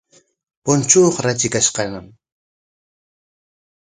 Punchuuqa ratrikashqañam.